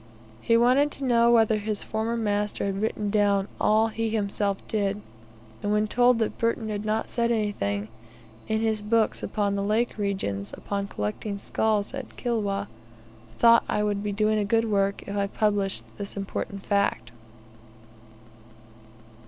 He wanted to know whether his former master had written down all he himself did, and when told that Burton had not said anything, in his books upon the Lake Regions, upon collecting skulls at Kilwa, thought I would be doing a good work if I published this important fact.